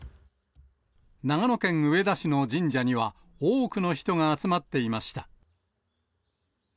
長野県上田市の神社には多くの人が集まっていました。